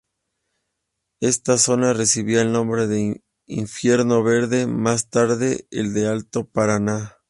Esta zona recibía el nombre de infierno verde, más tarde el de Alto Paraná.